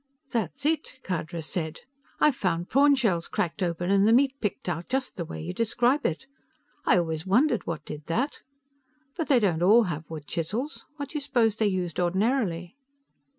"That's it!" Khadra said. "I've found prawn shells cracked open and the meat picked out, just the way you describe it. I always wondered what did that. But they don't all have wood chisels. What do you suppose they used ordinarily?"